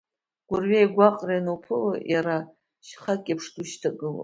Гәырҩеи гәаҟреи ануԥыло, иара шьхак еиԥш душьҭагылоуп…